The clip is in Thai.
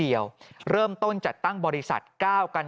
ปี๖๕วันเกิดปี๖๔ไปร่วมงานเช่นเดียวกัน